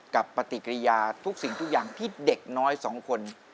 ปฏิกิริยาทุกสิ่งทุกอย่างที่เด็กน้อยสองคน